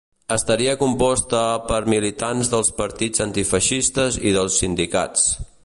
Estaria composta per militants dels partits antifeixistes i dels sindicats.